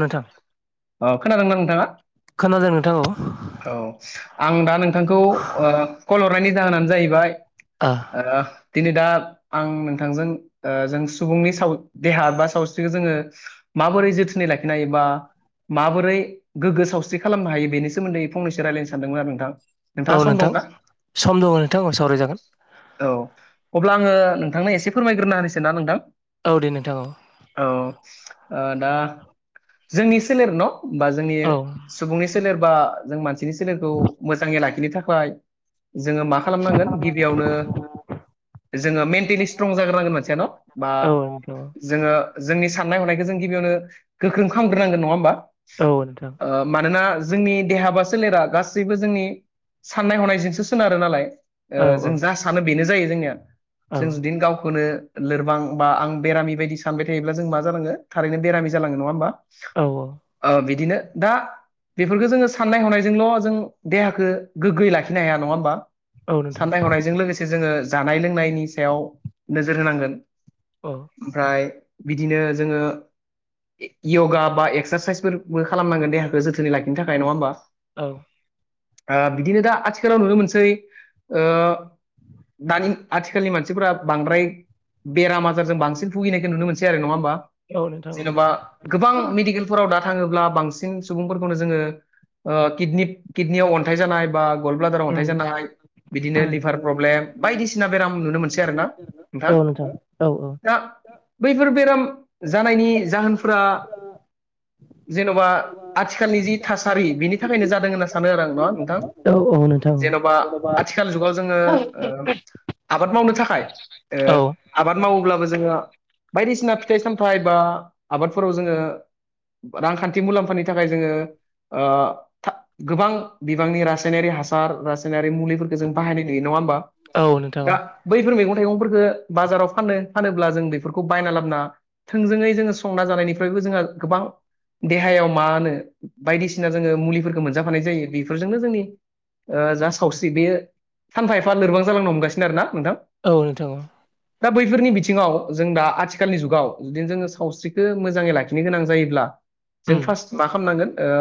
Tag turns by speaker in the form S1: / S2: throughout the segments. S1: नोंथां
S2: अ खोनादोंना नोंथाङा?
S1: खोनादों नोंथां औ ।
S2: औ आं दा नोंथांखौ ओ कल हरनायनि जाहोनानो जाहैबाय ओ दिनै दा आं नोंथांजों जों ओ सुबुंनि साव देहा बा सावस्रिखौ जोङो माबोरै जोथोनै लाखिनो हायो बा माबोरै गोग्गो सावस्रि खालामनो हायो बेनि सोमोन्दै फंनैसो रायज्लायनो सानदोंमोन आरो नोंथां ।
S1: औ
S2: नोंथाङा सम
S1: नोंथां
S2: दंना
S1: सम दङ नोंथां औ सावरायजागोन
S2: औ अब्ला आङो नोंथांनो एसे फोरमायग्रोना होनोसै ना नोंथां
S1: औ दे नोंथां औ
S2: औ । ओ दा जोंनि सोलेर न' बा जोंनि
S1: औ
S2: सुबुंनि सोलेर बा जों मानसिनि सोलेरखौ मोजाङै लाखिनो थाखाय जोङो मा खालामनांगोन गिबियावनो जोङो मेन टिलि स्ट्रं जाग्रोनांगोन मानसिया न' बा
S1: औ नोंथां
S2: जोङो जोंनि साननाय हनायखौ जों गिबियावनो गोख्रों खालामग्रोनांगोन नङा होमबा?
S1: औ औ नोंथां
S2: ओ मानोना जोंनि देहा बा सोलेरा गासैबो जोंनि साननाय हनायजोंसो सोनारो नालाय ओ
S1: औ औ
S2: जों जा सानो बेनो जायो जोंनिया
S1: औ
S2: जों जुदि गावखौनो लोरबां बा आं बेरामि बायदि सानबाय थायोब्ला जों मा जानाङो थारैनो बेरामि जालाङो नङा होमबा?
S1: औ
S2: ओ बिदिनो दा बेफोरखो जोङो साननाय हनायजोंल' जों देहाखौ गोग्गोयै लाखिनो हाया नङा होमबा?
S1: औ नोंथां
S2: साननाय हनायजों लोगोसे जोङो जानाय लोंनायनि सायाव नोजोर होनांगोन
S1: औ
S2: । ओमफ्राय बिदिनो जोङो यगा बा एक्सारसाइसफोरबो खालामनांगोन देहाखौ जोथो जोथोनै लाखिनो थाखाय नङा ओमबा?
S1: औ
S2: ओ बिदिनो दा आथिखालाव नुनो मोनसै ओ दानि आथिखालनि मानसिफोरा बांद्राय बेराम आजारजों बांसिन भुगिनायखो नुनो मोनसै आरो नङा होमबा?
S1: औ नोंथां ।
S2: जेन'बा गोबां मेडिकेलफोराव दा थाङोब्ला बांसिन सुबुंफोरखौनो जोङो ओ किचनिप किडनियाव अन्थाइ जानाय बा गल्ड ब्लादाराव अन्थाइ जानाय बिदिनो लिभार प्रब्लेम बायदिसिना बेराम नुनो मोनसै आरो ना ।
S1: औ नोंथां औ औ ।
S2: बैफोर बेराम जानायनि जाहोनफोरा जेन'बा आथिखालनि जि थासारि बिनि थाखायनो जादों होनना सानो आरो आं नङा नों थां, जेन'बा आथिखाल जुगाव जोङो आबाद मावनो थाखाय ओ आबाद मावोब्लाबो जोङो बायदिसिना फिथाइ सामथाइ बा आबादफोराव जोङो रांखान्थि मुलाम्फानि थाखाय जोङो ओ था गोबां बिबांनि रासायनारि हासार रासायनारि मुलिफोरखौ जों बाहायनाय नुयो नंआ ओमबा
S1: औ नोंथां
S2: दा बैफोर मैगं मैंगंफोरखौ बाजाराव फाननो फानोब्ला जों बेफोरखौ बायना लाबना थोंजोङै जोङो सु संना जानायनिफ्रायबो जोङो गोबां देहायाव मा होनो बायदिसिना जोङो मुलिफोरखौ मोनजाफानाय जायो बेफोरजोंनो जोंनि ओ जा सावस्रि बेयो सानफा एफा लोरबां जालांनो हमगासिनो आरो ना नोंथां।
S1: औ नोंथां औ।
S2: दा बैफोरनि बिथिङाव जों दा आथिखालनि जुगाव जुदिनो जोङो सावस्रि खो मोजाङै लाखिनो गोनां जायोब्ला जों
S1: औ
S2: फार्स्ट मा खालामनांगोन ओ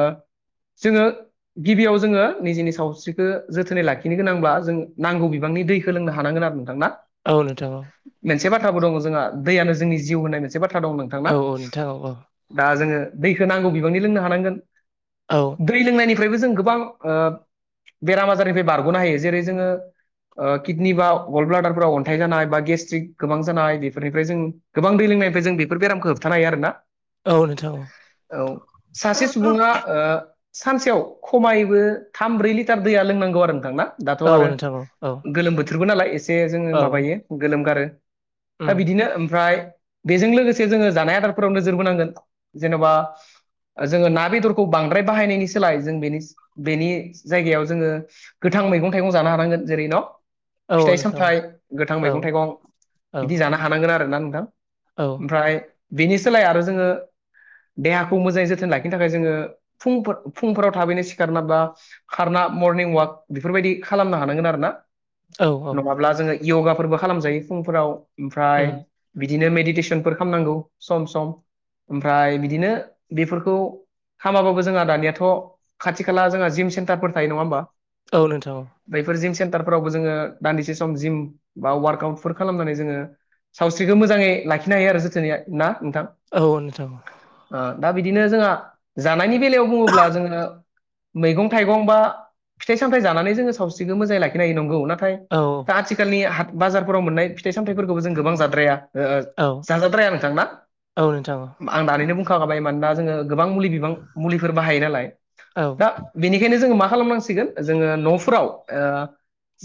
S2: जोङो गिबियाव जोङो निजिनि सावस्रिखौ जोथोनै लाखिनो गोनांब्ला जों नांगौ बिबांनि दैखोलोंनो हानांगोन। नोंथांना।
S1: औ नोंथां औ
S2: मोनसे बाथाबो दङ जोंहा दैयानो जोंनि जिउ होननाय मोनसे बाथ्रा दं नोंथांना।
S1: थ औ
S2: दा जोङो दैखौ नांगौ बिबांनि लोंनो हानांगोन
S1: औ औ नोंथां
S2: दै लोंनायनि निफ्रायबो जों गोबां बेराम आजारनिफ्राय बारग'नो हायो जेरै जोङो ओ किडनि बा गल्ड ब्लाडारफ्राव अन्थाइ जानाय बा गेस्ट्रिक गोबां जानाय बेफोरनिफ्राय जों गोबां दै लोंनायनाफ्रायनिफ्राय जों बेफोर बेरामखौ होबथानो हायो आरोना। औ सासे सुबुङा ओ सानसेयाव खमायबो थाम ब्रै लिटार दैया लोंनांगौ आरो नोंथांना।
S1: औ
S2: दाथ' आरो गोलोम बोथोरबो नालाय। जे जों मायो गोलोम गारो दा बिदिनो मफ्राय बेजों लोगोसे जोंङो जानाय आदारफोराव नोजोर बोनांगोन जेन'बा जोङो ना बेदरखौ बांद्राय बाहायनायनि सोलाय जों बेनि बेनि जायगायाव जोङो गोथां थां आ मैगं थाइगं जानो हानांगोन जेरै न' फिथाइ सामथायाइ गोथां मैगं थाइगं बिदि जानो हानांगोन आरोना नोंथां। ओमफ्राय बिनि सोलाय आरो जोङो देहाखौ मोजाङै जोथोन लाखिनो थाखाय जोङो फुं फुंफोराव थाबैनो सिखारना बा खारना मर्निं वाक बेफोरबायदि खालामनो हानांगोन आरो ना।
S1: औ
S2: नङाब्ला जोङो यगाफोरबो खालामजायो फुंफोराव ओमफ्राय
S1: औ
S2: बिदि बिदिनो मेडिटेसनफोर खालामनांगौ सम सम ओमफ्राय बिदिनो बेफोरखौ खामाबाबो जोंहा दानियाथ' खाथि खाला जोंहा जिम सेन्टारफोर थायो नङा होमबा।
S1: औ नोंथां औ।
S2: थार फोरावबो जोङो दान्दिसे सम जिम बा वार्कआउटफोर खालामनानै जोङो सावस्रिखौ मोजाङै लाखिनो हायो आरो जोथोनै। ना नोंथां
S1: औ नोंथा औ नोंथा।
S2: ओ दा बिदिनो जोंहा जानायनि बेलायाव बुङोब्ला जोङो मैगं थाइगं बा फिथाइ सामथाय जानानै जोङो सावस्रिखौ मोजां लाखिनो हायो नंगौ ना नाथाय
S1: औ
S2: दा आथिखालनि हा बाजारफोराव मोननाय फिथाइ सामथायाइफोरखौबो जों गोबां जाद्राया। ओ
S1: औ
S2: जाजाद्राया
S1: औ नोंथां औ।
S2: दहायनोबुखा खाबाय मानो ना जों गोबां मुलि बिबां फोर बाहायो नालाय
S1: औ
S2: दा बेनि बेखायनो जोङो मा खालामनांसिगोन जोङो न'फ्राव ओ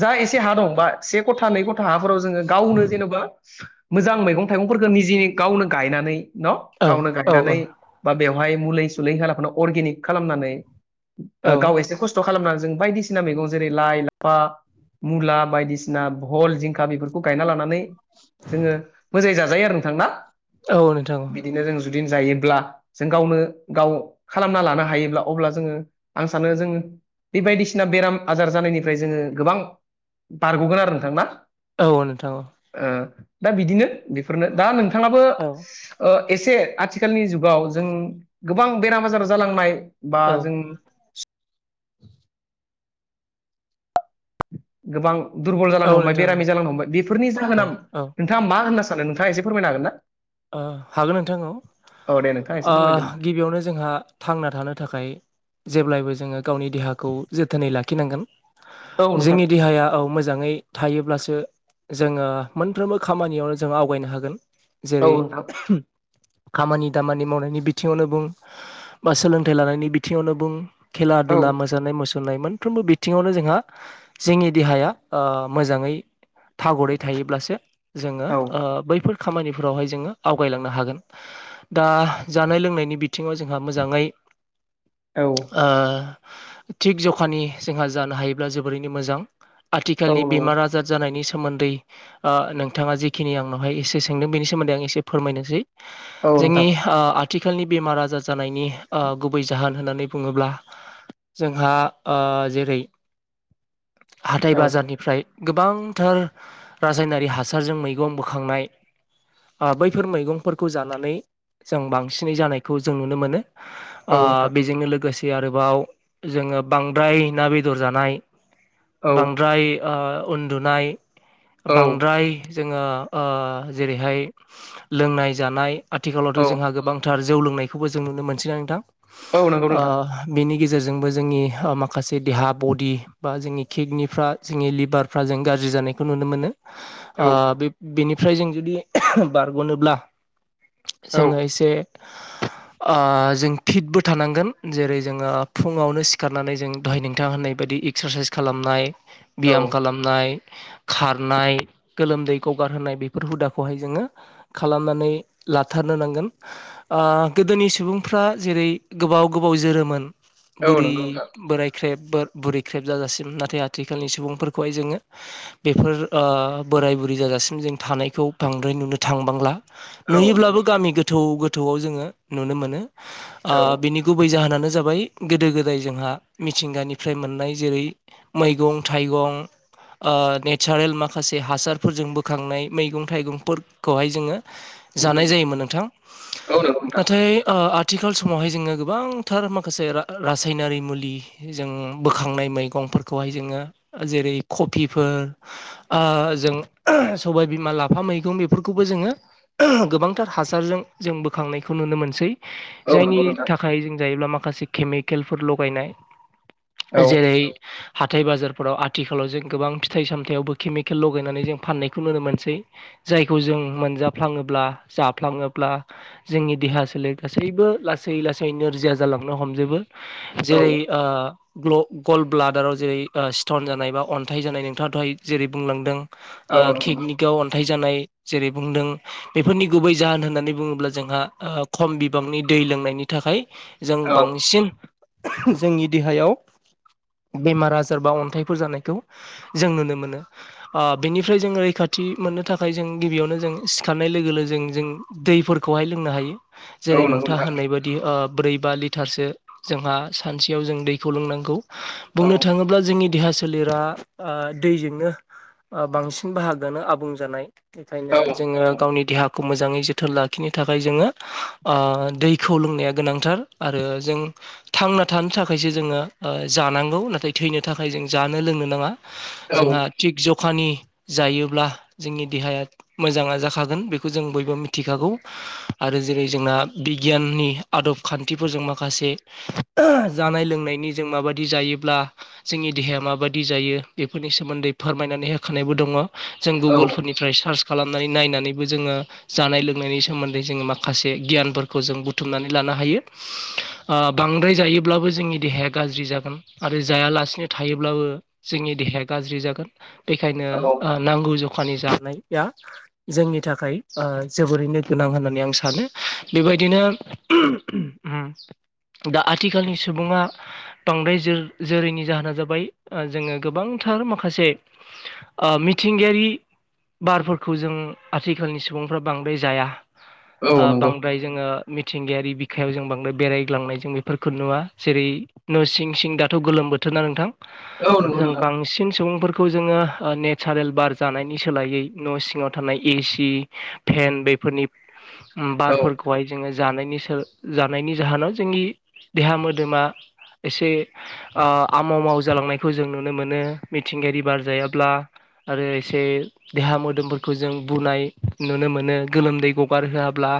S2: जा एसे हा दं बा से गथा नै गथ था हाफोराव जोङो गावनो जेनेबा मोजां मैगं थाइगंफोरखौ निजे गावनो गायनानै न
S1: औ
S2: गावनो
S1: औ
S2: गायनानै बा बेव बाय मुलि सुलि होआलाफानो अरगिनिग खालामनानै
S1: औ
S2: ओ गाव इसे खस्थ खालामनानै जों बायदिसिना मैगं जेरै लाइ लाफा मुला बायदिसिना भल जिंखा बेफोरखौ गायना लानानै जोङो मोजाङो जाजायो आरो नोंथांना।
S1: औ नोंथां।
S2: जुदि जायोब्ला जों गावनो गाव खालामना लानो हायोब्ला अब्ला जोङो आं सानो जोङो बे बायदिसिना बेराम आजार जानायनिफ्राय जोङो गोबां बारग'गोन आरो नोंथां ना?
S1: औ नोंथां औ।
S2: ओ दा बिदिनो बेफोरनो दा नोंथाङाबो
S1: औ
S2: ओ एसे आथिखालनि जुगाव जों गोबां बेराम आजार जालांनाय बा जों गोबां दुरबल
S1: औ
S2: जालांनो हमबाय
S1: नोंथां
S2: बेरामि जालांनो हमबाय बेफोरनि
S1: औ
S2: जाहोना
S1: औ
S2: नोंथाङा मा होनना सा नो नोंथा एसे फोरमायनो हागोन ना?
S1: ओ हागोन नोंथां औ
S2: औ दे नोंथाङा एसे
S1: ओ
S2: फोरमायदो
S1: गिबियावनो जोंहा थांना थानो थाखाय जेब्लायबो जोङो गावनि देहाखौ जोथोनै लाखिनांगोन।
S2: होमबा औ नोंथां
S1: जोंनि देहाया औ मो जाङै थायोब्लासो जोङो मोनफ्रोमबो खामानियावनो जों आवगायनो हागोन।
S2: औ
S1: जेरै
S2: नोंथां
S1: [inaudible] खामानि दामानि मावनायनि बिथिङावनो बुं, बा सोलोंथाइ लानायनि बिथिङावनो बुं। खेला
S2: औ
S1: दुला मोजानाय मुसु रनाय मोनफ्रोमबो बिथिङावनो जोंहा जोंनि देहाया मोजाङै थागरै थायोब्लासो जोङो
S2: औ
S1: ओ बैफोर खामानि फोरावहाय जोङो आवगायलांनो हागोन। दा जानाय लोंनायनि बिथिङाव जोंहा मोजाङै
S2: औ
S1: ओ थिग जखानि जोंहा जानो हायोब्ला जोबोरैनो मोजां।
S2: औ
S1: आथिखालनि
S2: नंगौ
S1: बेमार आजार जानायनि सोमोन्दै ओ नोंथाङा जिखिनि आंनावहाय एसे सोंदों बेनि सोमोन्दै आं एसे फोरमायनोसै।
S2: औ
S1: जोंनि
S2: नोंथां
S1: ओ आ थिखालनि बेमार आजार जानायनि ओ गुबै जाहोन होननानै बुङोब्ला जोंहा ओ जेरै [inaudible] हाथाइ
S2: औ
S1: बाजारनिफ्राय गोबांथार रासायनारि हासारजों मैगं बोखांनाय ओ बैफोर मैगंफोरखौ जानानै जों बांसिनै जानायखौ जों नुनो मोनो। ओ
S2: औ नोंथां
S1: बेजोंनो लोगोसे आरोबाव जोङो बांद्राय ना बेदर जानाय।
S2: औ
S1: बांद्राय ओ उन्दुनाय,
S2: औ
S1: बांद्राय जोङो ओ जेरैहाय लोंनाय जानाय आथिखालावथ'
S2: औ
S1: जोंहा गोबांथार जौ लोंनायखौबो जों नुनो मोनसै ना नोंथां
S2: औ नंगौ नोंथां
S1: बेनि गेजेराव गेजेरजोंबो जोंनि ओ माखासे देहा बडि बा जोंनि किडनिफ्रा जोंनि लिभारफ्रा जों गाज्रि जानायखौ नुनो मोनो ओ
S2: औ
S1: बेनिफ्राय जों जुदि बारग'नोब्ला
S2: औ
S1: जोङो एसे ओ जों फिटबो थानांगोन जेरै जोङो फुङावनो सिखारनानै जों दहाय नोंथां होननाय बा दि एक्सारसाइस खालामनाय
S2: औ
S1: बियाम खालामनाय, खारनाय, गोलोमदैखौ गगारहोनाय बे फोर हुदाखौहाय जोङो खालामनानै लाथारनो नांगोन ओ गोदोनि सुबुं फ्रा जेरै गोबाव गोबाव जोरोमोन
S2: औ
S1: बुरि
S2: नंगौ नोंथां
S1: बोराय ख्रेब बुरै ख्रेब जाजासिम नाथाय आथिखालनि सुबुंफोरखौहाय जोङो बेफोर ओ बोराय बुरै जाजासिम जों थानायखौ बांद्राय नुनो थांबांला।
S2: औ
S1: नुयोब्लाबो
S2: नंगौ
S1: गामि गोथौ गो थौ जोङो नुनो मोनो। ओ
S2: औ
S1: बिनि गुबै जाहोनानो जाबाय गोदो गोदाय जोंहा मिथिंगानिफ्राय मोननाय जेरै मैगं थाइगं ओ नेचारेल माखासे हासारफोरजों बोखांनाय मैगं थाइगंफोरखौहाय जोङो
S2: उम
S1: जानाय जायोमोन नोंथां,
S2: औ नंगौ नोंथां
S1: नाथाय ओ आथिखाल समावहाय जोङो गोबांथार माखासे रा-रासायनारि मुलि जों बोखांनाय मैगं फोरखौ हायो जोङो जेरै कपिफोर आं जों सबाय बिमा लाफा मैगं बेफोरखौबो जोङो गोबांथार हासारजों जों बोखांनायखौ नुनो मोनसै।
S2: औ
S1: जायनि
S2: नंगौ नोंथां
S1: थाखाय जों जायोब्ला माखासे केमिकेलफोर लगायनाय
S2: औ
S1: जेरै हाथाय बाजार फोराव आथिखालाव जों गोबां फिथाइ सामथायावबो केमिकेल लगायनानै जों फान्नायखौ नुनो मोनो जायखौ जों मोनजाफ्लाङोब्ला जाफ्लाङोब्ला जोंनि देहा सोलेर गासै गासैबो लासै लासै नोरजिया जालांनो हमजोबो
S2: औ
S1: जेरै ओ ग्ल' गल्ड ब्लादाराव जेरै स्टन जानाय बा अन्थाइ जानाय नोंथां दहाय जेरै बुंलांदों आ
S2: औ नंगौ
S1: खिगनिक अनथाय जानाय जेरै बुंदों बेफोरनि गुबै जाहोन होननानै बुङोब्ला जोंहा खम बिबांनि दै लोंनायनि थाखाय जों
S2: औ
S1: बांसिन जोंनि देहायाव बेमार आजार बा अन्थाइफोर जानायखौ जों नुनो मोनो ओ बेनिफ्राय जोङो रैखा थि मोननो थाखाय जों गिबियावनो जों सिखारनाय लोगो लो जों जों दैफोरखौहाय लोंनो हायो।
S2: औ
S1: जेरै
S2: नंगौ
S1: नोंथाङा
S2: नोंथां
S1: होननाय बायदि ओ ब्रै बा लिटारसो जोंहा सानसेयाव जों दैखौ लोंनांगौ
S2: औ
S1: बुंनो थाङोब्ला जोंनि देहा सोलेरा ओ दैजोंनो ओ बांसिन बाहागोआनो आबुं जानाय बेखायनो
S2: औ
S1: जोङो गावनि देहाखौ मोजाङै जोथोन लाखिनो थाखाय जोङो ओ दैखौ लोंनाया गोनांथार आरो जों थांना थानो थाखायसो जोङो ओ जानांगौ नाथाय थैनो थाखाय जों जानो लोंनो नाङा जोंहा थिग जखानि जायो ब्ला जोंनि देहाया मोजाङा जाखागोन बेखौ जों बयबो मिथिखागौ आरो जेरै जोंना आ बिगियाननि आदब खान्थिफोरजों माखासे जानाय लोंनायनि जों माबादि जायोब्ला जोंनि देहाया माबादि जायो बेफोरनि सोमोन्दै फोरमायनानै होखानायबो दङ। जों
S2: औ
S1: गुगोलफोरनिफ्राय सार्च खालामनानै नायनानैबो जोङो जानाय लोंनायनि सोमोन्दै जोङो माखासे गियानफोरखौ जों बुथुमनानै लान नो हायो ओ बांद्राय जायोब्लाबो जोंनि देहाया गाज्रि जागोन आरो जायालासिनो थाय योब्लाबो जोंनि देहाया गाज्रि जागोन बेखायनो
S2: औ
S1: ओ नांगौ जखानि जानाया जोंनि थाखाय ओ जोबोरैनो गोनां होननानै आं सानो बेबायदिनो उम दा आथिखालनि सुबुङा बांद्राय जोर-जोरैनि जाहोना जाबाय ओ जोङो गोबां थार माखासे
S2: [inaudible]
S1: ओ मिथिंगायारि बारफोरखौ जों आथिखालनि सुबुंफ्रा बांद्राय जाया।
S2: औ औ
S1: ओ
S2: नंगौ
S1: बांद्राय जोङो मिथिंगायारि बिखायाव जों बांद्राय बेरायग्लांनाय जों बेफोरखौ नुवा जेरै न' सिं सिं दाथ' गोलोम बोथोर ना नोंथां
S2: औ नंगौ
S1: जों
S2: नोंथां
S1: बांसिन सुबुंफोरखौ जोङो ओ नेचारेल बार जानायनि सोलायै न' सिङाव थानाय ए सि फेन बेफोरनि उम
S2: औ
S1: बारफोरखौहाय जोङो जानायनि सो जानायनि जाहोनाव जोंनि देहा मोदोमा एसे ओ आमाव माव जालांनायखौ जों नुनो मोनो मिथिंगायारि बारजाया ब्ला आरो एसे देहा मोदोमफोरखौ जों बुनाय नुनो मोनो गोलोमदै ग'गार होयाब्ला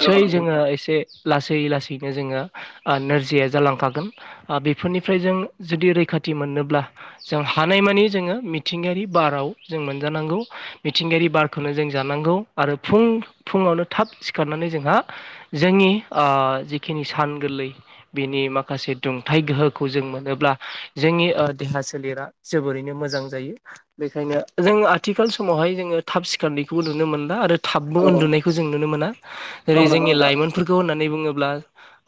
S2: औ नंगौ
S1: जोङो
S2: नोंथां
S1: एसे लासै लासैनो जोङो ओ नोरजिया जालांखागोन ओ बेफोरनिफ्राय जों जुदि रै खाथि मोननोब्ला जों हानायमानि जोङो मि थिंगायारि बाराव जों मोनजानांगौ मिथिंगायारि बारखौनो जों जानांगौ आरो फुं फुं आवनो थाब सिखारनानै जोंहा जोंनि ओ जिखिनि सान गोरलै बिनि मा खासे दुंथाइ गोहोखौ जों मोनोब्ला जोंनि ओ देहा सोलेरा जोबोरैनो मोजां जायो। बेखायनो जों आथिखाल समावहाय जोङो थाब सिखारनायखौबो नुनो मोनला आरो थाबबो
S2: औ
S1: उन्दुनायखौ जों नुनो मोना
S2: औ
S1: जेरै
S2: नंगौ
S1: जोंनि
S2: नोंथां
S1: लाइमोनफोरखौ होननानै बुङो ब्ला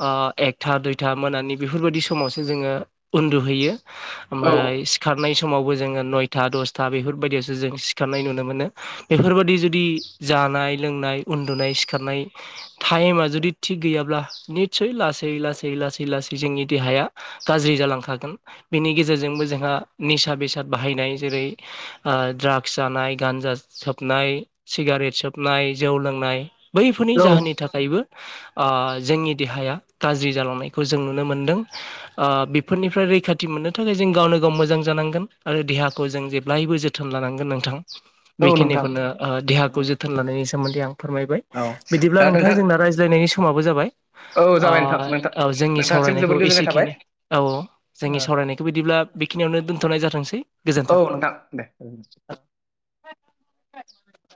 S1: ओ एकथा दुइथा मोनानि बेफोरबादि समावसो जोङो उन्दु हैयो।
S2: औ
S1: ओमफ्राय सिखारनाय समावबो जोङो नय था दसथा बेफोरबायदियावसो जों सिखारनाय नुनो मोनो बेफोरबायदि जुदि जानाय लोंनाय उन्दुनाय सिखारनाय टाइमा जुदि थिग गैयाब्ला निस्सय लासै लासै लासै लासै जोंनि देहाया गाज्रि जालांखागोन बेनि गेजेरजोंबो जोंहा निसा बेसाद बाहायनाय जेरै ओ द्रागस जानाय गानजा सोबनाय सिगारेट सोबनाय जौ लों नाय बैफोरनि
S2: औ
S1: जाहोननि थाखायबो ओ जोंनि देहाया गाज्रि जालांनायखौ जों नुनो मोनदों ओ बेफोरनिफ्राय रैखाथि मोननो थाखाय जों गावनो गाव मोजां जानांगोन आरो देहाखौ जों जेब्लायबो जोथोन लानांगोन नोंथां।
S2: [inaudible]
S1: बेखिनिखौनो ओ देहाखौ जोथोन लानायनि सोमोन्दै आं फोरमायबाय
S2: औ
S1: बिदिब्ला नोंथां जोंना रायज्लायनायनि स खोमाबो जाबाय
S2: औ
S1: आ
S2: जाबाय नोंथां नोंथां
S1: औ जोंनि
S2: नोंथांसिम
S1: सावरायनायखौ
S2: जोबोद गोजोननाय थाबाय
S1: एसेखिनि औ औ जोंनि सावराय फरायनायखौ बदिब्ला बेखिनियावनो दोनथ'नाय जाथोंसै। गोजोन्थों।
S2: औ नोंथां दे।
S1: [unintelligible]